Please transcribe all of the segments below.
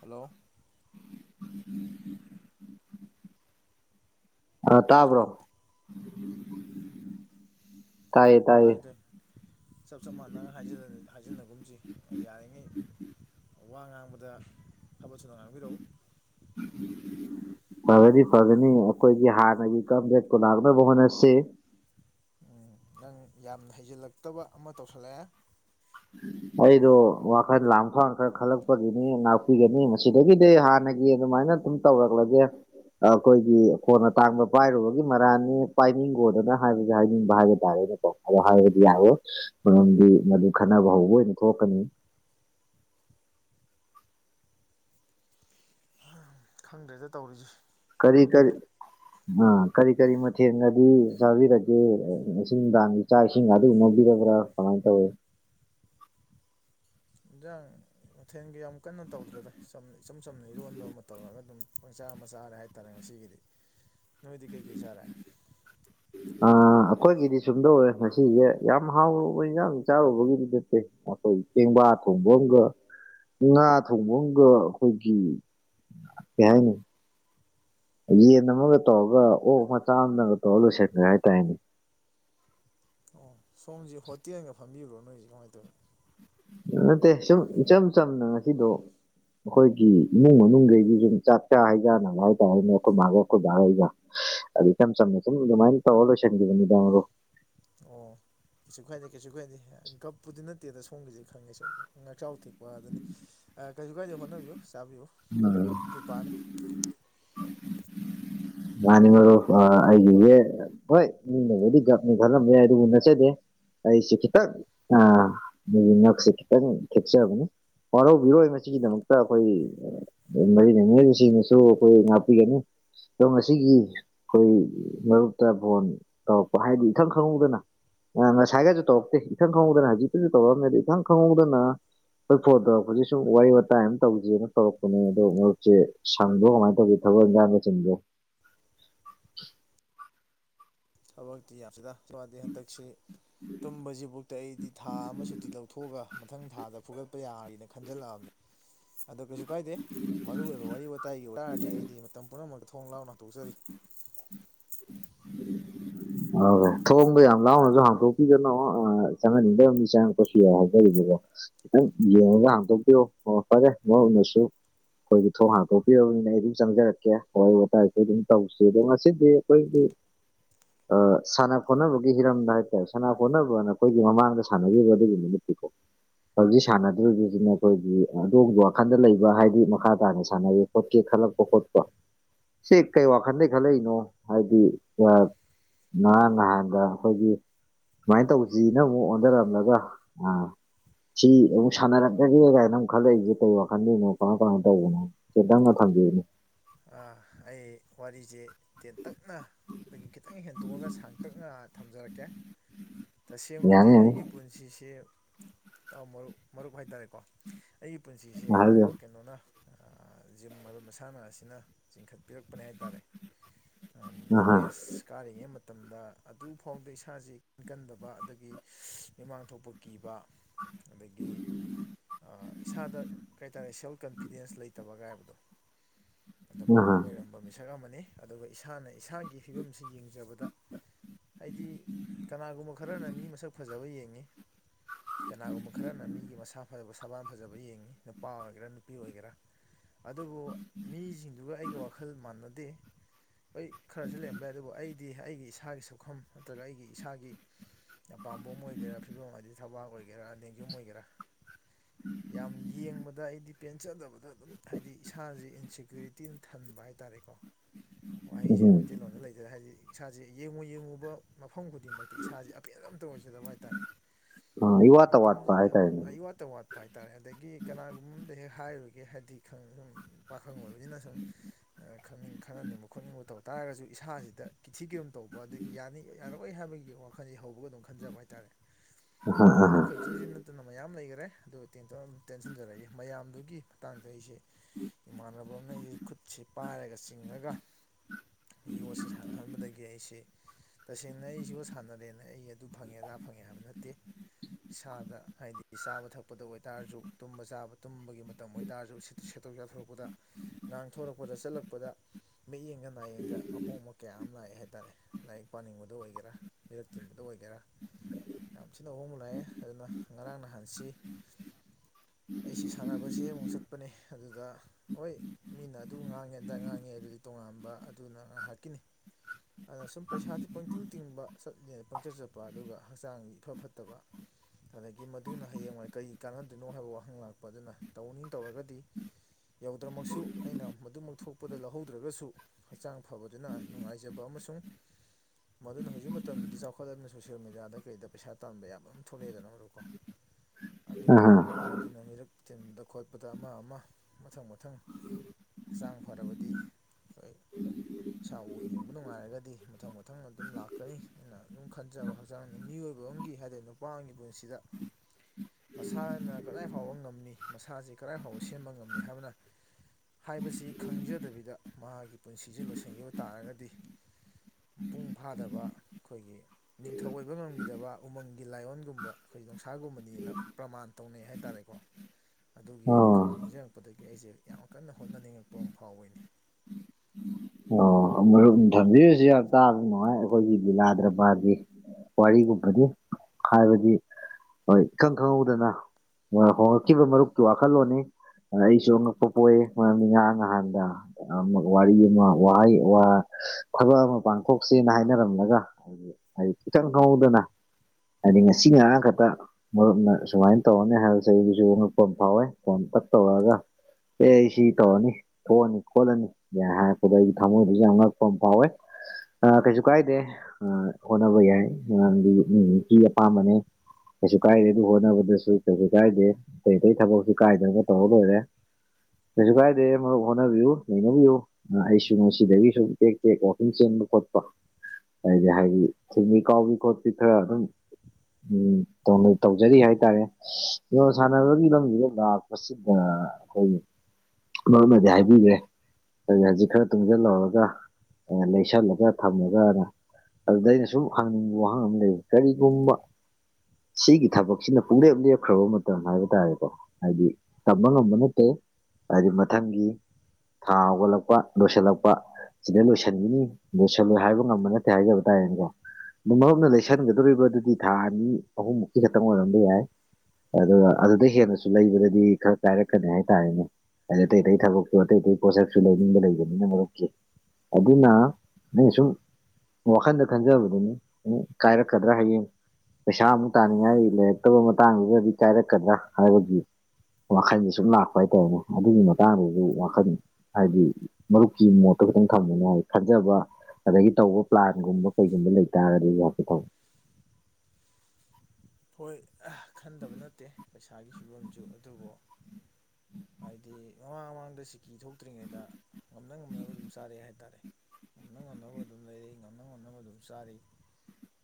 hello ꯎꯝ ꯎ [inaudible] ꯑ ꯇꯥꯕ꯭ꯔꯣ ꯇꯥꯗ꯭ꯔꯣ ꯇꯥꯏꯌꯦ ꯇꯥꯏꯌꯦ ꯇꯥꯏ ꯇꯥꯢ ꯆꯞ ꯆꯞ ꯃꯥꯟꯅꯅ ꯍꯥꯏꯖꯤꯟꯅꯒꯨꯝꯁꯤ ꯌꯥꯔꯤꯉꯩ ꯋꯥ ꯉꯥꯡꯕꯗ ꯐꯕꯞ ꯊꯨꯅ ꯉꯥꯡꯕꯤꯔꯛꯎ ꯐꯒꯗꯤ ꯐꯒꯅꯤ ꯑꯩꯈꯣꯏꯒꯤ ꯍꯥꯟꯅꯒꯤ ꯀꯝꯕꯦꯛꯇꯨ ꯂꯥꯛꯅꯕ ꯍꯣꯠꯅꯁꯤ ꯎꯝ ꯅꯪ ꯌꯥꯝꯅ ꯍꯩꯖꯤꯜꯂꯛꯇꯕ ꯑꯃ ꯇꯧꯁꯤꯜꯂꯛꯑꯦ ꯑꯩꯗꯣ ꯋꯥꯈꯜ ꯂꯥꯡꯐꯥꯡ ꯈꯔ ꯈꯜꯂꯛꯄꯒꯤꯅꯤ ꯉꯥꯛꯄꯤꯒꯅꯤ ꯃꯁꯤꯗꯒꯤꯗꯤ ꯍꯥꯟꯅꯒꯤ ꯑꯗꯨꯃꯥꯏꯅ ꯑꯗꯨꯝ ꯇꯧꯔꯛꯂꯒꯦ ꯑꯩꯈꯣꯏꯒꯤ ꯀꯣꯟꯅ ꯇꯥꯡꯕ ꯄꯥꯏꯔꯨꯕꯒꯤ ꯃꯔꯥꯅꯤ ꯄꯥꯏꯅꯤꯡꯈꯣꯗꯅ ꯍꯥꯏꯕꯁꯦ ꯍꯥꯏꯅꯤꯡꯕ ꯍꯥꯏꯕ ꯇꯥꯔꯦꯅꯦ ꯑꯣ ꯍꯥꯏꯔꯗꯤ ꯌꯥꯔꯣꯏ ꯃꯔꯝꯗꯤ ꯃꯗꯨꯝ ꯈꯠꯅꯕ ꯍꯧꯕ ꯑꯣꯏꯅ ꯊꯣꯛꯂꯛꯀꯅꯤ ꯈꯪꯗ꯭ꯔꯦꯗ ꯇꯧꯔꯤꯁꯦ ꯀꯔꯤ ꯀꯔꯤ ꯑꯥ ꯀꯔꯤ ꯀꯔꯤ ꯃꯊꯦꯡꯅꯗꯤ ꯆꯥꯕꯤꯔꯛꯒꯦ ꯉꯁꯤ ꯅꯨꯡꯗꯥꯡꯒꯤ ꯆꯥꯛ ꯏꯁꯤꯡꯒ ꯑꯗꯨ ꯎ ꯅꯧꯕꯤꯗꯔꯕ꯭ꯔꯥ ꯀꯃꯥꯏꯅ ꯇꯧꯋꯤ ꯏꯟꯖꯥꯡ ꯃꯊꯦꯜꯒꯤ ꯌꯥꯝ ꯀꯟꯅ ꯇꯧꯗ꯭ꯔꯗ ꯏꯆꯝ ꯆꯝꯅ ꯏꯔꯣꯟꯕ ꯑꯃ ꯇꯧꯔꯒ ꯑꯗꯨꯝ ꯄꯆꯥ ꯑꯃ ꯆꯥꯔꯦ ꯍꯥꯏꯇꯥꯔꯦ ꯉꯁꯤꯒꯤꯗꯤ [unintelligible] ꯅꯣꯏꯗꯤ ꯀꯩꯀꯩ ꯆꯥꯔꯦ ꯎꯝ [inaudible] ꯑ ꯑꯩꯈꯣꯏꯒꯤꯗꯤ ꯁꯨꯝ ꯇꯧꯋꯦ ꯉꯁꯤꯁꯦ ꯌꯥꯝ ꯍꯥꯎꯔꯨꯕ ꯏꯟꯖꯥꯡ ꯆꯥꯔꯨꯕꯒꯤꯗꯤ ꯅꯠꯇꯦ ꯑꯩꯈꯣꯏ ꯆꯦꯡꯕꯥ ꯊꯣꯡꯐꯝ ꯑꯃꯒ ꯉꯥ ꯊꯣꯡꯐꯝ ꯑꯃꯒ ꯑꯩꯈꯣꯏꯒꯤ ꯀꯩ ꯍꯥꯢꯅꯤ ꯌꯦꯟ ꯑꯃꯒ ꯇꯧꯔꯒ ꯑꯣꯛ ꯃꯆꯥ ꯑꯃꯒ ꯇꯧꯔ ꯂꯣꯏꯁꯤꯟꯈ꯭ꯔꯦ ꯍꯥꯏꯇꯥꯔꯦꯅꯦ ꯑꯣ ꯁꯣꯝꯁꯦ ꯍꯣꯇꯦꯜꯒ ꯐꯝꯕꯤꯕ꯭ꯔꯣ ꯅꯣꯏꯁꯤꯦ ꯀꯃꯥꯏꯅ ꯇꯧꯏ ꯅꯠꯇꯦ ꯁꯨꯝ ꯏꯆꯝ ꯆꯝꯅ ꯉꯁꯤꯗꯣ ꯑꯩꯈꯣꯏꯒꯤ ꯏꯃꯨꯡ ꯃꯅꯨꯡꯗꯒꯤꯗꯤ ꯁꯨꯝ ꯆꯥꯛ ꯆꯥ ꯍꯩꯖꯥꯟꯅꯕ ꯍꯥꯏꯇꯥꯔꯦꯅꯦ ꯑꯩꯈꯣꯏ ꯃꯥꯒ ꯑꯩꯈꯣꯏ ꯕꯥꯒ ꯑꯩꯒ ꯑꯗꯨ ꯏꯆꯝ ꯁꯝꯅ ꯁꯨꯝ ꯑꯗꯨꯃꯥꯏꯅ ꯇꯧꯔ ꯂꯣꯏꯁꯤꯟꯈꯤꯕꯅꯤꯗꯥ ꯕꯔꯣ ꯑꯣ ꯀꯩꯁꯨ ꯀꯥꯏꯗꯦ ꯀꯩꯁꯨ ꯀꯥꯏꯗꯦ ꯀꯒꯞꯄꯨꯗꯤ ꯅꯠꯇꯦꯗ ꯁꯣꯝꯒꯤꯁꯦ ꯈꯪꯉꯦ ꯁꯨꯝ ꯉꯥꯛꯆꯥꯎ ꯊꯦꯛꯄ ꯑꯗꯨꯅꯤ ꯀꯩꯁꯨ ꯀꯥꯏꯗꯦ ꯍꯣꯠꯅꯕꯤꯌꯨ ꯆꯥꯕꯤꯌꯨ ꯎꯝ ꯀ꯭ꯔꯤꯄꯥꯅꯤ ꯌꯥꯅꯤꯉꯣ ꯑꯩꯒꯤ ꯍꯣꯏ ꯃꯤꯅꯕꯨꯗꯤ ꯒꯞꯅꯦ ꯈꯜꯂꯝꯕ ꯌꯥꯏ ꯑꯗꯨꯕꯨ ꯅꯠꯆꯗꯦ ꯑꯩ ꯁꯤꯈꯤ ꯇ ꯑꯈꯤ ꯇ ꯊꯁ ꯍꯕꯅꯤ ꯋꯥꯔꯧꯕꯤꯔꯣꯏ ꯃꯁꯤꯒꯤꯗꯃꯛꯇ ꯑꯩꯈꯣꯏ ꯃꯔꯤ ꯂꯩꯅꯔꯤꯕꯁꯤꯡꯅꯁꯨ ꯑꯩꯈꯣꯏ ꯉꯥꯛꯄꯤꯒꯅꯤ ꯗꯣ ꯉꯁꯤꯒꯤ ꯈꯣꯏ ꯃꯔꯨꯞꯇ ꯕꯣꯟ ꯇꯧꯔꯛꯄ ꯍꯥꯏꯗꯤ ꯏꯈꯪ ꯈꯪꯍꯧꯗꯅ ꯉꯁꯥꯏꯒꯁꯨ ꯇꯧꯔꯛꯇꯦ ꯏꯈꯪ ꯈꯪꯍꯧꯗꯅ ꯍꯧꯖꯤꯛꯇꯁꯨ ꯇꯧꯔꯛꯑꯃꯦꯗ ꯏꯈꯪ ꯈꯪꯍꯧꯗꯅ ꯍꯣꯏ ꯐꯣꯟ ꯇꯧꯔꯛꯄꯁꯦ ꯁꯨꯝ ꯋꯥꯔꯤ ꯋꯥꯇꯥꯏ ꯑꯃ ꯇꯧꯖꯦꯅ ꯇꯧꯔꯛꯄꯅꯦ ꯑꯗꯣ ꯃꯔꯨꯞꯁꯦ ꯁꯪꯕ꯭ꯔꯣ ꯀꯃꯥꯏꯅ ꯇꯧꯒꯦ ꯊꯕꯛ ꯏꯟꯒꯥꯡꯒ ꯆꯤꯟꯕ꯭ꯔꯣ ꯊꯕꯛꯇꯤ ꯌꯥꯁꯤꯗ ꯁ ꯋꯥꯗꯗꯤ ꯍꯟꯗꯛꯁꯤ ꯇꯨꯝꯕꯁꯤꯐꯥꯎꯗ ꯑꯩꯗꯤ ꯊꯥ ꯑꯃ ꯁꯨꯇꯤ ꯂꯧꯊꯣꯛꯑꯒ ꯃꯊꯪ ꯊꯥꯗ ꯐꯨꯒꯠꯄ ꯌꯥꯔꯤꯅ ꯈꯟꯖꯜꯂꯛꯑꯕꯅꯤ ꯑꯗꯣ ꯀꯩꯁꯨ ꯀꯥꯏꯗꯦ ꯃꯔꯨ ꯑꯣꯏꯕ ꯋꯥꯔꯤ ꯋꯥꯇꯥꯏꯒꯤ ꯑꯣꯏꯔꯗꯤ ꯑꯩꯗꯤ ꯃꯇꯝ ꯄꯨꯝꯅꯃꯛꯇ ꯊꯣꯡ ꯂꯥꯎꯅ ꯇꯧꯖꯔꯤ ꯑꯣꯏ ꯊꯣꯡꯗ ꯌꯥꯝ ꯂꯥꯎꯅꯁꯨ ꯍꯥꯡꯇꯣꯛꯄꯤꯒꯅ ꯆꯪꯍꯟꯅꯤꯡꯗꯕ ꯃꯤ ꯆꯪꯉꯛꯄꯁꯨ ꯌꯥꯎ ꯍꯥꯏꯖꯔꯤꯕꯀꯣ ꯍꯣꯛ ꯀ ꯐꯔꯦ ꯃꯣꯏ ꯅꯁꯨ ꯑꯩꯈꯣꯏꯒꯤ ꯊꯣꯡ ꯍꯥꯡꯇꯣꯛꯄꯤꯔꯕꯅꯤꯅ ꯑꯩ ꯑꯗꯨꯝ ꯆꯪꯖꯔꯛꯀꯦ ꯋꯥꯔꯤ ꯋꯇꯥꯏꯁꯨ ꯑꯗꯨꯝ ꯇꯧꯁꯤ ꯑꯗꯣ ꯉꯁꯤꯗꯤ ꯑꯩꯈꯣꯏꯒꯤ ꯁꯥꯟꯅ ꯈꯣꯠꯅꯕꯒꯤ ꯍꯤꯔꯝꯗ ꯍꯥꯏꯇꯥꯔꯦ ꯁꯥꯟꯅ ꯈꯣꯠꯅꯕꯅ ꯑꯩꯈꯣꯏꯒꯤ ꯃꯃꯥꯡꯗ ꯁꯥꯟꯅꯈꯤꯕ ꯑꯗꯨꯒꯤ ꯅꯨꯃꯤꯠꯇꯤꯀꯣ ꯍꯧꯖꯤꯛ ꯁꯥꯟꯅꯗ꯭ꯔꯤꯒꯤꯁꯤꯅ ꯑꯩꯈꯣꯏꯒꯤ ꯑꯗꯣꯝꯒꯤ ꯋꯥꯈꯟꯗ ꯂꯩꯕ ꯍꯥꯏꯗꯤ ꯃꯈꯥ ꯇꯥꯅ ꯁꯥꯟꯅꯔꯤ [unintelligible] ꯈꯣꯠꯀꯦ ꯈꯜꯂꯛꯄ ꯈꯣꯠꯄ ꯁꯤ ꯀꯩ ꯋꯥꯈꯟꯗꯒꯤ ꯈꯜꯂꯛꯏꯅꯣ ꯍꯥꯏꯗꯤ ꯉꯍꯥꯟ ꯅꯍꯥꯟꯒ ꯑꯩꯈꯣꯏꯒꯤ ꯁꯨꯃꯥꯏꯅ ꯇꯧꯁꯤꯅ ꯑꯃꯨꯛ ꯑꯣꯟꯊꯔꯝꯂꯒ ꯑꯥ ꯁꯤ ꯑꯃꯨꯛ ꯁꯥꯟꯅꯔꯛꯑꯒꯦ ꯀꯥꯏꯅ ꯑꯃꯨꯛ ꯈꯜꯂꯛꯏꯁꯦ ꯀꯩ ꯋꯥꯈꯟꯗꯩꯅꯣ ꯀꯃꯥꯏ ꯀꯃꯥꯏꯅ ꯇꯧꯕꯅꯣ ꯆꯦꯗꯥꯪꯅ ꯊꯪꯗꯅꯤ ꯑꯥ ꯑꯩ ꯋꯥꯔꯤꯖꯦ ꯇꯦꯟꯇꯛꯅ ꯗꯒꯤ ꯈꯤꯇꯪ ꯍꯦꯟꯇꯣꯛꯑꯒ ꯁꯥꯡꯇꯛꯅ ꯊꯝꯖꯔꯛꯀꯦ ꯇꯁꯦꯡꯕꯗꯤ ꯌꯥꯅꯤ ꯌꯥꯅꯤ ꯑꯩꯒꯤ ꯄꯨꯟꯁꯤꯁꯦ ꯏꯇꯥꯎ ꯃꯔꯨꯞ ꯃꯔꯨꯞ ꯍꯥꯏꯇꯔꯦꯀꯣ ꯑꯩꯒꯤ ꯄꯨꯟꯁꯤꯁꯤ ꯉꯥꯏꯍꯥꯛ ꯂꯩꯌꯨ ꯀꯩꯅꯣꯅ ꯖꯤꯝ ꯍꯥꯏꯕ ꯃꯁꯥꯟꯅ ꯑꯁꯤꯅ ꯆꯤꯡꯈꯠꯄꯤꯔꯛꯄꯅꯦ ꯍꯥꯏꯇꯥꯔꯦ ꯑꯍꯥ ꯀꯣꯂꯦꯖ ꯀꯥꯔꯤꯉꯩ ꯃꯇꯝ ꯃꯇꯝꯗ ꯑꯗꯨꯐꯥꯎꯗ ꯏꯁꯁꯤ ꯏꯟ ꯀꯟꯗꯕ ꯑꯗꯒꯤ ꯏꯃꯥꯡ ꯊꯣꯛꯄ ꯀꯤꯕ [inaudible] ꯑꯗꯒꯤ ꯑ ꯏꯁꯥꯗ ꯀꯩꯍꯥꯏꯇꯔꯦ ꯁꯦꯜꯐ ꯀꯟꯐꯤꯗꯦꯟꯁ ꯂꯩꯇꯕꯒ ꯍꯥꯏꯕꯗꯣ ꯑꯗꯨꯃꯥꯏꯅ ꯑꯍꯥ ꯑꯣꯏꯔꯝꯕ ꯃꯤꯁꯛ ꯑꯃꯅꯤ ꯑꯗꯨꯒ ꯏꯁꯥꯅ ꯏꯁꯥꯒꯤ ꯐꯤꯕꯝꯁꯤ ꯌꯦꯡꯖꯕꯗ ꯍꯥꯏꯗꯤ ꯀꯅꯥꯒꯨꯝꯕ ꯈꯔꯅ ꯃꯤ ꯃꯁꯛ ꯐꯖꯕ ꯌꯦꯡꯉꯤ ꯀꯅꯥꯒꯨꯝꯕ ꯈꯔꯅ ꯃꯤꯒꯤ ꯃꯁꯥ ꯐꯖꯕ ꯁꯕꯥꯟ ꯐꯖꯕ ꯌꯦꯡꯉꯤ ꯅꯨꯄꯥ ꯑꯣꯏꯒꯦꯔꯥ ꯅꯨꯄꯤ ꯑꯣꯏꯒꯦꯔꯥ ꯑꯗꯨꯕꯨ ꯃꯤꯖꯤꯡꯗꯨꯒ ꯑꯩꯒ ꯋꯥꯈꯜ ꯃꯥꯟꯅꯗꯦ ꯑꯩ ꯈꯔꯁꯨ ꯂꯩꯔꯝꯕ ꯌꯥꯏ ꯑꯗꯨꯕꯨ ꯑꯩꯗꯤ ꯑꯩꯒꯤ ꯏꯁꯥꯒꯤ ꯁꯛꯐꯝ ꯅꯠꯇ꯭ꯔꯒ ꯑꯩꯒꯤ ꯏꯁꯥꯒꯤ ꯄꯥꯝꯕꯣꯝ ꯑꯣꯏꯒꯦꯔꯥ ꯐꯤꯕꯝ ꯍꯥꯏꯗꯤ ꯊꯕꯥꯛ ꯑꯣꯏꯒꯦꯔꯥ ꯂꯦꯡꯖꯨꯝ ꯑꯣꯏꯒꯦꯔꯥ ꯌꯥꯝ ꯌꯦꯡꯕꯗ ꯑꯩꯗꯤ ꯄꯦꯟꯖꯗꯕꯗ ꯑꯗꯨꯝ ꯍꯥꯏꯗꯤ ꯏꯁꯥꯥꯁꯤ ꯏꯟꯁꯤꯀ꯭ꯌꯨꯔꯤꯇꯤ ꯗꯤꯟ ꯊꯟꯕ ꯍꯥꯏꯇꯥꯔꯦꯀꯣ ꯋꯥꯍꯩꯁꯦ ꯎꯝꯍꯨꯝ ꯃꯩꯇꯩꯂꯣꯟꯗ ꯂꯩꯗꯅ ꯍꯥꯏꯗꯤ ꯏꯁꯥꯁꯦ ꯌꯦꯡꯉꯨ ꯌꯦꯡꯉꯨꯕ ꯃꯐꯝ ꯈꯨꯗꯤꯡꯃꯛ ꯏꯁꯥꯥꯁꯦ ꯑꯄꯦꯟꯕ ꯑꯃꯇ ꯑꯣꯏꯖꯗꯕ ꯍꯥꯏꯇꯥꯔꯦ ꯑꯥ ꯏꯋꯥꯠꯇ ꯋꯥꯠꯄ ꯃꯇꯝꯖꯤꯗ ꯍꯥꯏꯇꯥꯔꯦꯅꯦ ꯑꯥ ꯏꯋꯥꯠꯇ ꯋꯥꯠ ꯍꯥꯏꯇꯥꯔꯦ ꯑꯗꯒꯤ ꯀꯅꯥꯒꯨꯝꯕ ꯑꯃꯗ ꯍꯦꯛ ꯍꯥꯏꯔꯨꯒꯦ ꯍꯥꯏꯕꯗꯤ ꯁꯨꯝ ꯄꯥꯈꯪ ꯑꯣꯏꯕꯅꯤꯅ ꯁꯨꯝ ꯈꯪꯅꯤꯡ ꯈꯪꯍꯅꯤꯡꯕ ꯈꯣꯠꯅꯤꯡꯕ ꯇꯧ ꯇꯥꯔꯒꯁꯨ ꯏꯁꯥꯁꯤꯗ ꯀꯤꯊꯤ ꯀꯩꯔꯨꯝꯝ ꯇꯧꯕ ꯑꯗꯒꯤ ꯌꯥ ꯌꯥꯔꯣꯏ ꯍꯥꯏꯕꯒꯤ ꯋꯥꯈ ꯈꯗꯤ ꯍꯧꯕꯒ ꯑꯗꯨꯝ ꯈꯟꯖꯕ ꯍꯥꯏꯇꯥꯔꯦ [inaudible] ꯑꯗꯨ ꯑꯍꯥ ꯈꯛꯇꯗꯤ ꯅ ꯑꯗꯨꯅ ꯃꯌꯥꯝ ꯂꯩꯈꯔꯦ ꯑꯗꯨ ꯇ ꯇꯦꯟꯁꯤꯟꯖꯔꯛꯑꯒꯦ ꯃꯌꯥꯝꯗꯨꯒꯤ ꯃꯇꯥꯡꯗ ꯑꯩꯁꯦ ꯏꯃꯥꯟꯅꯕ ꯑꯃꯅ ꯌꯩ ꯈꯨꯠꯁꯤ ꯄꯥꯏꯔꯒ ꯆꯤꯡꯉꯒ ꯌꯣꯠꯁꯤ ꯁꯥꯟꯅꯔꯝꯕꯗꯒꯤ ꯑꯩꯁꯤ ꯇꯁꯦꯡꯅ ꯑꯩ ꯁꯤꯃ ꯁꯥꯟꯅꯔꯦꯅ ꯑꯩ ꯑꯗꯨ ꯐꯪꯉꯦ ꯑꯗꯥ ꯐꯪꯉꯦ ꯍꯥꯏꯕ ꯅꯠꯇꯦ ꯏꯁꯥꯗ ꯍꯥꯏꯗꯤ ꯆꯥꯕ ꯊꯛꯄꯗ ꯑꯣꯏꯇꯥꯔꯁꯨ ꯇꯨꯝꯕ ꯆꯥꯕ ꯇꯨꯝꯕꯒꯤ ꯃꯇꯝ ꯑꯣꯏꯇꯥꯔꯁꯨ ꯁꯦꯠꯇꯣꯛ ꯆꯥꯊꯣꯔꯛꯄꯗ ꯎꯝ [unintelligible] ꯉꯥꯡꯊꯣꯔꯛꯄꯗ ꯆꯠꯂꯛꯄꯗ ꯃꯤꯠꯌꯦꯡꯗ ꯅꯥꯏꯌꯦꯡꯗ ꯑꯍꯣꯡꯕ ꯀꯌꯥ ꯑꯃ ꯂꯥꯛꯑꯦ ꯍꯥꯏꯇꯥꯔꯦ ꯂꯥꯏꯔꯤꯛ ꯄꯥꯅꯤꯡꯕꯗ ꯑꯣꯏꯒꯦꯔꯥ ꯃꯤꯔꯛ ꯇꯤꯟꯕꯗ ꯑꯣꯏꯒꯦꯔꯥ ꯌꯥꯝ ꯊꯤꯅ ꯑꯍꯣꯡꯕ ꯂꯥꯛꯑꯦ ꯑꯗꯨꯅ ꯉꯔꯥꯡ ꯅꯍꯥꯟꯁꯤ ꯑꯩꯁꯤ ꯁꯥꯟꯅꯕꯁꯦ ꯑꯃꯨꯛ ꯆꯠꯄꯅꯦ ꯑꯗꯨꯗ ꯍꯣꯏ ꯃꯤꯅ ꯑꯗꯨ ꯉꯥꯡꯉꯦ ꯑꯥꯗ ꯉꯥꯡꯉꯦ ꯑꯗꯨꯗꯤ ꯇꯣꯉꯥꯟꯕ ꯑꯗꯨꯅ ꯉꯥꯏꯍꯥꯛꯀꯤꯅꯤ ꯑꯗꯨꯅ ꯁꯨꯝ ꯄꯩꯁꯥꯗꯤ ꯄꯪꯇꯤꯡ ꯇꯤꯡꯕ ꯆꯠꯂꯤꯅꯦꯅ ꯄꯪꯆꯠ ꯆꯠꯄ ꯑꯗꯨꯒ ꯍꯛꯆꯥꯡꯗꯤ ꯏꯐ ꯐꯠꯇꯕ ꯑꯗꯒꯤ ꯃꯗꯨꯅ ꯍꯌꯦꯡꯋꯥꯏ ꯀꯔꯤ ꯀꯥꯟꯅꯗꯣꯏꯅꯣ ꯍꯥꯏꯕ ꯋꯥꯍꯪ ꯂꯥꯛꯄ ꯑꯗꯨꯅ ꯇꯧꯅꯤꯅ ꯇꯧꯔꯒꯗꯤ ꯌꯧꯗ꯭ꯔꯃꯁꯨ ꯑꯩꯅ ꯃꯗꯨꯃꯛ ꯊꯣꯛꯄꯗ ꯂꯧꯍꯧꯗ꯭ꯔꯒꯁꯨ ꯍꯛꯆꯥꯡ ꯐꯕꯗꯨꯅ ꯅꯨꯡꯉꯥꯏꯖꯕ ꯑꯃꯁꯨꯡ ꯃꯗꯨꯅ ꯍꯧꯖꯤꯛ ꯃꯇꯝꯗꯤ ꯆꯥꯎꯈꯠꯂꯅꯤꯅ ꯁꯣꯁꯤꯌꯦꯜ ꯃꯦꯗꯤꯌꯥꯗ ꯀꯩꯗ ꯄꯩꯁꯥ ꯇꯥꯟꯕ ꯌꯥꯕ ꯑꯃ ꯊꯣꯛꯂꯛꯑꯦꯗꯅ ꯃꯔꯨꯞ ꯀꯣ ꯎꯝ [unintelligible] ꯑꯗꯨꯗꯨꯅ ꯃꯗꯨꯅ ꯃꯤꯔꯛ ꯊꯤꯟꯕꯗ ꯈꯣꯠꯄꯗ ꯑꯃ ꯑꯃ ꯃꯊꯪ ꯃꯊꯪ ꯍꯛꯆꯥꯡ ꯐꯔꯕꯗꯤ ꯑꯣꯏ ꯁꯥꯕꯨ ꯌꯦꯡꯕ ꯅꯨꯡꯉꯥꯏꯔꯒꯗꯤ ꯃꯊꯪ ꯃꯊꯪ ꯑꯗꯨꯝ ꯂꯥꯛꯀꯅꯤ ꯑꯩꯅ ꯑꯗꯨꯝ ꯈꯟꯖꯕ ꯍꯛꯆꯥꯡ ꯃꯤꯑꯣꯏꯕ ꯑꯃꯒꯤ ꯍꯥꯏꯗꯤ ꯅꯨꯄꯥ ꯑꯃꯒꯤꯒꯤ ꯄꯨꯟꯁꯤꯗ [unintelligible] ꯃꯁꯥꯅ ꯀꯗꯥꯏ ꯐꯥꯎꯕ ꯉꯝꯃꯤ ꯃꯁꯥꯁꯤ ꯀꯗꯥꯏ ꯐꯥꯎꯕ ꯁꯦꯝꯕ ꯉꯝꯃꯤ ꯍꯥꯏꯕꯅ ꯍꯥꯏꯕꯁꯤ ꯈꯪꯖꯗꯕꯤꯗ ꯃꯍꯥꯛꯀꯤ ꯄꯨꯟꯁꯤꯁꯦ ꯂꯣꯏꯁꯤꯟꯈꯤꯕ ꯇꯥꯔꯒꯗꯤ ꯃꯄꯨꯡ ꯐꯥꯗꯕ ꯑꯩꯈꯣꯏꯒꯤ ꯅꯤꯡꯊꯧ ꯑꯣꯏꯕ ꯉꯝꯈꯤꯗꯕ ꯎꯃꯪꯒꯤ ꯂꯥꯏꯌꯣꯟꯒꯨꯝꯕ ꯑꯩꯈꯣꯏ ꯅꯣꯡꯁꯥꯒꯨꯝꯕꯅꯤꯅ ꯄ꯭ꯔꯃꯥꯟ ꯇꯧꯅꯩ ꯍꯥꯏꯇꯥꯔꯦꯀꯣ ꯑꯗꯨꯒꯤ ꯑꯩꯅ ꯑꯣ ꯈꯟ ꯅꯤꯡꯖꯔꯛꯄꯗꯒꯤ ꯑꯩꯁꯦ ꯌꯥꯝ ꯀꯟꯅ ꯍꯣꯠꯅꯅꯤꯡꯉꯛꯄ ꯑꯃ ꯐꯥꯎꯕꯩꯅꯤ ꯃꯔꯨꯞ ꯊꯝꯕꯤꯔꯁꯤ ꯌꯥꯝ ꯇꯥꯕ ꯅꯨꯡꯉꯥꯏ ꯑꯩꯈꯣꯏꯒꯤ ꯂꯤꯂꯥꯗ꯭ꯔꯕꯥꯗꯤ ꯋꯥꯔꯤꯒꯨꯝꯕꯗꯤ ꯍꯥꯏꯕꯗꯤ ꯍꯣꯏ ꯏꯈꯪ ꯈꯪꯍꯧꯗꯅ ꯍꯣꯏ ꯍꯣꯡꯡꯂꯛꯈꯤꯕ ꯃꯔꯨꯞꯇꯨ ꯋꯥꯈꯜꯂꯣꯟꯅꯤ ꯑꯩꯁꯨ ꯑꯉꯛꯄ ꯄꯣꯛꯏ ꯃꯔꯝꯗꯤ ꯉꯔꯥꯡ ꯉꯍꯥꯛꯗ ꯑ ꯋꯥꯔꯤ ꯑꯃ ꯋꯥꯍꯩ ꯋ ꯊꯕꯛ ꯑꯃ ꯄꯥꯡꯊꯣꯛꯁꯦꯅ ꯍꯥꯏꯅꯔꯝꯂꯒ ꯑꯩ ꯑꯩ ꯈꯤꯇꯪ ꯈꯍꯧꯗꯅ ꯍꯥꯏꯗꯤ ꯉꯁꯤ ꯉꯔꯥꯡ ꯈꯛꯇ ꯃꯔꯨꯞꯅ ꯁꯨꯃꯥꯏꯅ ꯇꯧꯔꯅꯤ ꯍꯥꯏꯕ ꯆꯍꯤꯒꯤꯁꯨ ꯑꯉꯛꯄ ꯐꯥꯎꯋꯦ ꯐꯣꯟ ꯀꯛ ꯇꯧꯔꯛꯒ ꯑꯦ ꯁꯤ ꯇꯧꯔꯅꯤ ꯊꯣꯛꯑꯅꯤ ꯈꯣꯠꯂꯅꯤ ꯌꯥ ꯍꯥꯏꯄꯗ ꯊꯃ‌ꯣꯏꯗꯁꯨ ꯌꯥꯝ ꯉꯛꯄꯑꯃ ꯄꯥꯎꯋꯦ ꯑꯥ ꯀꯩꯁꯨ ꯀꯥꯏꯗꯦ ꯍꯣꯠꯅꯕ ꯌꯥꯏ ꯃꯤ ꯃꯤꯒꯤ ꯑꯄꯥꯝꯕꯅꯦ ꯀꯩꯁꯨ ꯀꯥꯏꯗꯦ ꯑꯗꯨ ꯍꯣꯠꯅꯕꯗꯁꯨ ꯀꯩꯁꯨ ꯀꯥꯏꯗꯦ ꯀꯩ ꯑꯇꯩ ꯊꯕꯛꯁꯨ ꯀꯥꯏꯗꯅꯕ ꯇꯧꯔ ꯂꯣꯏꯔꯦ ꯀꯩꯁꯨ ꯀꯥꯏꯗꯦ ꯃꯔꯨ ꯍꯣꯠꯅꯕꯤꯌꯨ ꯂꯩꯅꯕꯤꯌꯨ ꯑꯩ [unintelligible] ꯁꯤꯗꯒꯤ ꯁꯨꯝ ꯇꯦꯛ ꯇꯦꯛ ꯋꯥꯐꯀꯤꯡ ꯆꯦꯟꯕ ꯈꯣꯠꯄ ꯍꯥꯏꯗꯤ ꯍꯥꯏꯗꯤ ꯆꯦꯡꯅꯤ ꯀꯥꯎꯕꯤ ꯈꯣꯠꯄꯤ ꯈꯔ ꯑꯗꯨꯝ ꯎ ꯇꯧꯖꯔꯤ ꯍꯥꯏꯇꯥꯔꯦ ꯁꯥꯟꯅꯕꯒꯤ ꯂꯝꯁꯤꯗꯣ ꯂꯥꯛꯄꯁ ꯑꯩꯈꯣꯏ ꯃꯔꯨꯞ ꯑꯣꯏꯅꯗꯤ ꯍꯥꯏꯕꯤꯈ꯭ꯔꯦ ꯑꯗꯨ ꯍꯧꯖꯤꯛ ꯈꯔ ꯇꯨꯡꯖꯜꯍꯧꯔꯒ ꯂꯩꯁꯜꯂꯒ ꯊꯝꯃꯒ ꯑꯗꯨꯝ ꯑꯗꯨꯗ ꯑꯩꯅ ꯁꯨꯝ ꯍꯥꯡꯅꯤꯡꯕ ꯋꯥꯍꯪ ꯑꯃ ꯂꯩꯕ ꯀꯔꯤꯒꯨꯝꯕ ꯁꯤꯒꯤ ꯊꯕꯛꯁꯤꯅ ꯄꯨꯡꯂꯦꯞ ꯂꯦꯞꯈ꯭ꯔꯕ ꯃꯇꯝ ꯍꯥꯏꯕ ꯇꯥꯔꯦꯀꯣ ꯍꯥꯏꯗꯤ ꯇꯝꯕ ꯉꯝꯕ ꯅꯠꯇꯦ ꯍꯥꯏꯗꯤ ꯃꯊꯪꯒꯤ ꯊꯥ ꯍꯧꯒꯠꯂꯛꯄ ꯂꯣꯏꯁꯤꯜꯂꯛꯄ ꯁꯤꯗ ꯂꯣꯏꯁꯤꯟꯈꯤꯅꯤ ꯂꯣꯏꯁꯤꯜꯂꯦ ꯍꯥꯏꯕ ꯉꯝꯕ ꯅꯠꯇꯦ ꯍꯥꯏꯖꯕ ꯇꯥꯔꯦꯅꯦꯀꯣ ꯃꯔꯣꯗ ꯂꯩꯁꯟꯒꯗꯧꯔꯤꯕ ꯑꯗꯨꯗꯤ ꯊꯥ ꯑꯅꯤ ꯑꯍꯨꯝꯃꯨꯛꯀꯤ ꯈꯛꯇꯪ ꯑꯣꯏꯔꯝꯕ ꯌꯥꯏ ꯑꯗꯨꯒ ꯑꯗꯨꯗ ꯍꯦꯟꯅꯁꯨ ꯂꯩꯕꯗꯗꯤ ꯈꯔ ꯀꯥꯏꯔꯛꯀꯅꯤ ꯍꯥꯏꯇꯥꯔꯦꯅꯦ ꯍꯥꯏꯗꯤ ꯑꯇꯩ ꯑꯇꯩ ꯊꯕꯛꯁꯨ ꯑꯇꯩ ꯑꯇꯩ ꯄꯣꯠꯁꯛꯁꯨ ꯂꯩꯅꯤꯡꯕ ꯂꯩꯕ ꯃꯔ ꯑꯗꯨꯅ ꯅꯪ ꯁꯨꯝ ꯋꯥꯈꯟꯗ ꯈꯟꯖꯕꯗꯨꯅꯤ ꯎꯝ ꯀꯥꯏꯔꯛꯀꯗ꯭ꯔꯥ ꯍꯌꯦꯡ ꯄꯩꯁꯥ ꯑꯃꯨꯛ ꯇꯥꯅꯤꯡꯉꯥꯏ ꯂꯩꯔꯛꯇꯕ ꯃꯇꯥꯡꯗꯨꯗꯗꯤ ꯀꯥꯏꯔꯛꯀꯗ꯭ꯔꯥ ꯍꯥꯏꯕꯒꯤ ꯋꯥꯈꯟꯁꯦ ꯁꯨꯝ ꯂꯥꯛꯄ ꯍꯥꯏꯇꯥꯔꯦꯅꯦ ꯑꯗꯨꯒꯤ ꯃꯇꯥꯡꯗꯁꯨ ꯋꯥꯈꯜ ꯍꯥꯏꯗꯤ ꯃꯔꯨꯞꯀꯤ ꯃꯣꯠꯇꯣ ꯈꯤꯇꯪ ꯊꯝꯕꯅꯦ ꯍꯥꯏ ꯈꯟꯖꯕ ꯑꯗꯒꯤ ꯇꯧꯕ ꯄ꯭ꯂꯥꯟꯒꯨꯝꯕ ꯀꯩꯒꯨꯝꯕ ꯂꯩꯇꯥꯔꯗꯤ ꯌꯥꯥꯛꯁꯤ ꯊꯧ ꯍꯣꯏ ꯈꯟꯗꯕ ꯅꯠꯇꯦ ꯄꯩꯁꯥꯒꯤ ꯐꯤꯕꯝꯁꯨ ꯑꯗꯨꯕꯨ ꯍꯥꯏꯗꯤ ꯃꯃꯥꯡ ꯃꯃꯥꯡꯗ ꯁꯤꯀꯤ ꯊꯣꯛꯇ꯭ꯔꯤꯉꯩꯗ ꯉꯝꯅ ꯉꯝꯅꯕ ꯑꯗꯨꯝ ꯆꯥꯔꯦꯑꯦ ꯍꯥꯏꯇꯥꯔꯦ ꯉꯝꯅ ꯉꯝꯅꯕ ꯑꯗꯨꯝ ꯂꯩꯔꯤ ꯉꯝꯅ ꯉꯝꯅꯕ ꯑꯗꯨꯝ ꯆꯥꯔꯤ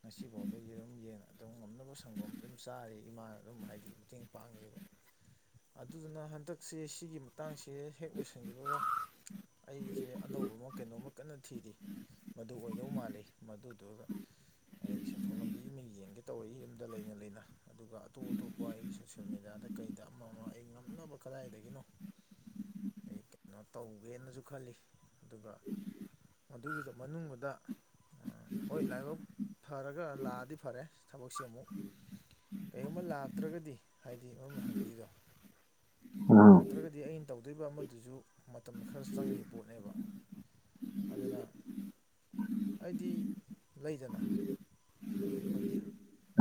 ꯉꯁꯤꯐꯥꯎꯗ ꯌꯦꯔꯨꯝ ꯌꯦꯟ ꯑꯗꯨꯝ ꯉꯝꯅꯕ ꯁꯪꯒꯣꯝ ꯑꯗꯨꯝ ꯆꯥꯔꯤ ꯏꯃꯥꯅ ꯑꯗꯨꯝ ꯍꯥꯏꯗꯤ ꯃꯇꯦꯡ ꯄꯥꯡꯉꯤꯕ ꯑꯗꯨꯗꯨꯅ ꯍꯟꯗꯛꯁꯦ ꯑꯁꯤꯒꯤꯒꯤ ꯃꯇꯛꯥꯡꯁꯦ ꯍꯦꯛ ꯂꯣꯏꯁꯤꯟꯈꯤꯕꯒ ꯑꯩꯁꯦ ꯑꯅꯧꯕ ꯑꯃ ꯀꯩꯅꯣꯝꯃ ꯀꯟꯅ ꯊꯤꯔꯤ ꯃꯗꯨ ꯑꯣꯏꯗꯧ ꯃꯥꯜꯂꯤ ꯃꯗꯨꯗꯨꯗ ꯑꯩ ꯁꯦꯟꯊꯣꯛ ꯂꯝꯕꯤ ꯑꯃ ꯌꯦꯡꯒꯦ ꯇꯧꯔꯛꯏ ꯗ ꯂꯩꯅ ꯂꯩꯅ ꯑꯗꯨꯒ ꯑꯇꯣꯞ ꯑꯇꯣꯞꯄ ꯑꯩꯒꯤ ꯁꯣꯁꯤꯦꯜ ꯃꯦꯗꯤꯌꯥꯗ ꯀꯩꯗ ꯑꯃ ꯑꯃ ꯑꯩ ꯉꯝꯅꯕ ꯀꯗꯥꯏꯗꯒꯤꯅꯣ ꯎꯝ ꯑꯩ ꯀꯩꯅꯣ ꯇꯧꯒꯦꯅꯁꯨ ꯈꯜꯂꯤ ꯑꯗꯨꯒ ꯃꯗꯨꯒꯤꯗ ꯃꯅꯨꯡꯗ ꯍꯣꯏ ꯂꯥꯏꯕꯛ ꯐꯔꯒ ꯂꯥꯛꯑꯗꯤ ꯐꯔꯦ ꯊꯕꯛꯁꯤ ꯑꯃꯨꯛ ꯀꯔꯤꯒꯨꯝꯕ ꯂꯥꯛꯇ꯭ꯔꯒꯗꯤ ꯍꯥꯏꯗꯤ ꯃꯝꯅ ꯍꯪꯕꯤꯔꯤꯗꯣ ꯑꯥ ꯅꯠꯇ꯭ꯔꯒꯗꯤ ꯑꯩꯅ ꯇꯧꯗꯣꯔꯤꯕ ꯑꯃꯗꯨꯁꯨ ꯃꯇꯝ ꯈꯔ ꯆꯪꯉꯤꯕ ꯄꯣꯠꯅꯦꯕ ꯑꯗꯨꯅ ꯍꯥꯏꯗꯤ ꯂꯩꯗꯅ ꯑꯩꯈꯣꯏꯒꯤ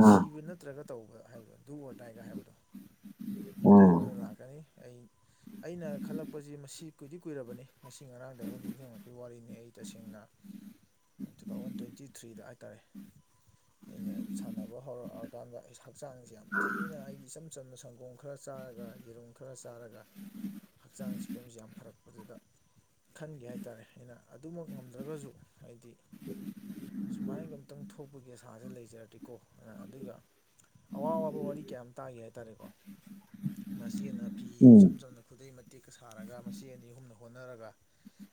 ꯑꯥ ꯁꯤꯕ ꯅꯠꯇ꯭ꯔꯒ ꯇꯧꯕ ꯍꯥꯏꯕꯗꯣ ꯗꯨ ꯑꯣꯏꯔꯗꯥꯏꯒ ꯍꯥꯏꯕꯗꯣ ꯑꯥ ꯃꯗꯨꯏꯁꯨ ꯑꯩꯅ ꯂꯥꯛꯀꯅꯤ ꯑꯩ ꯑꯩꯅ ꯈꯜꯂꯛꯄꯁ ꯃꯁꯤ ꯀꯨꯏꯗꯤ ꯀꯨꯏꯔꯕꯅꯤ ꯉꯁꯤ ꯉꯔꯥꯡꯗ ꯑꯃꯨꯛ ꯅꯤꯡꯁꯤꯡꯉꯛꯄꯒꯤ ꯋꯥꯔꯤꯅꯤ ꯑꯩ ꯇꯁꯦꯡꯅ ꯇꯨ ꯗꯥꯎꯖꯟ ꯇꯨ꯭ꯋꯦꯟꯇꯤ ꯊ꯭ꯔꯤꯗ ꯍꯥꯏ ꯇꯥꯔꯦ ꯑꯩꯅ ꯁꯥꯅ ꯐ ꯍꯧꯔꯛꯑꯀꯥꯟꯗ ꯑꯩ ꯍꯛꯆꯥꯡꯁꯦ ꯌꯥꯝ ꯊꯤꯅ ꯑꯩꯒꯤ ꯏꯆꯝ ꯆꯝꯅ ꯁꯪꯒꯣꯝ ꯈꯔ ꯆꯥꯔꯒ ꯌꯦꯔꯨꯝ ꯈꯔ ꯆꯥꯔꯒ ꯍꯛꯆꯥꯡ ꯁꯤ ꯐꯤꯕꯝꯁꯤ ꯌꯥꯝ ꯐꯔꯛꯄꯗꯨꯗ ꯈꯟꯒꯦ ꯍꯥꯏꯇꯥꯔꯦ ꯑꯩꯅ ꯑꯗꯨꯃꯛ ꯉꯝꯗ꯭ꯔꯒꯁꯨ ꯍꯥꯏꯗꯤ ꯁꯨꯃꯥꯏꯅꯒ ꯑꯝꯨꯛꯇꯪ ꯊꯣꯛꯄꯒꯤ ꯑꯁꯥꯥꯁꯦ ꯂꯩꯖꯔꯗꯤ ꯀꯣ ꯑꯗꯨꯒ ꯑꯋꯥ ꯑꯋꯥꯕ ꯋꯥꯔꯤ ꯀꯌꯥ ꯇꯥꯒꯦ ꯍꯥꯏꯇꯥꯔꯦꯀꯣ ꯃꯆꯦꯅ ꯐꯤ ꯎꯝ ꯏꯆꯝ ꯆꯝꯅ ꯈꯨꯗꯩ ꯃꯇꯦꯛꯀ ꯁꯥꯔꯒ ꯃꯆꯦ ꯑꯅꯤ ꯑꯍꯨꯝꯅ ꯍꯣꯠꯅꯔꯒ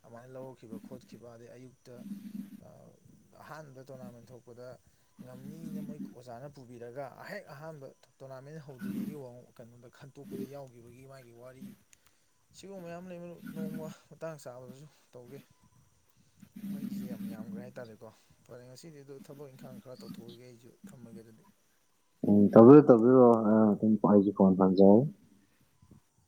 ꯑꯗꯨꯃꯥꯏꯅ ꯂꯧꯔꯛꯈꯤꯕ ꯈꯣꯠꯈꯤꯕ ꯑꯗꯩ ꯑꯌꯨꯛꯇ ꯑꯍꯥꯟꯕ ꯇꯣꯔꯅꯥꯃꯦꯟ ꯊꯣꯛꯄꯗ ꯉꯝꯅꯤꯅꯕ ꯃꯣꯏ ꯑꯣꯖꯥꯅ ꯄꯨꯕꯤꯔꯒ ꯑꯍꯦꯛ ꯑꯍꯥꯟꯕ ꯇꯣꯔꯅꯥꯃꯦꯟ ꯍꯧꯗ꯭ꯔꯤꯉꯩꯒꯤ ꯋꯥ ꯀꯩꯅꯣꯗ ꯑꯇꯣꯞꯄꯗ ꯌꯥꯎꯈꯤꯕꯒꯤ ꯃꯥꯒꯤ ꯋꯥꯔꯤ ꯁꯤꯒꯨꯝꯕ ꯃꯌꯥꯝ ꯂꯩꯕ ꯃꯔꯨꯞ ꯅꯣꯡꯃ ꯃꯇꯥꯡ ꯆꯥꯕꯗꯁꯨ ꯇꯧꯒꯦ ꯋꯥꯔꯤꯁꯦ ꯌꯥꯝ ꯌꯥꯝꯒ꯭ꯔꯦ ꯍꯥꯏ ꯇꯔꯦꯀꯣ ꯐꯔꯦ ꯉꯁꯤꯗꯤ ꯑꯗꯨ ꯊꯕꯛ ꯏꯪꯈꯥꯡ ꯈꯔ ꯇꯧꯊꯣꯛꯑꯨꯈꯤꯒꯦ ꯑꯩꯁꯨ ꯊꯝꯃꯒꯦ ꯑꯗꯨꯗꯤ ꯑꯨꯝ ꯇꯧꯕꯤꯌꯨ ꯇꯧꯕꯤꯌꯨ ꯑꯨꯝ ꯑꯩꯖꯨ ꯐꯣꯟ [unintelligible]